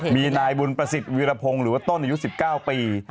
มีนายบุญประสิทธิ์วิรพงศ์หรือว่าต้นอายุ๑๙ปี